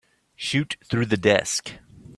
Shoot through the desk.